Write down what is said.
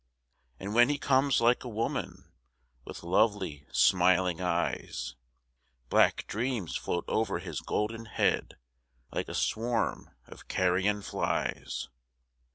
And when he comes like a woman, With lovely, smiling eyes, Black dreams float over his golden head Like a swarm of carrion flies.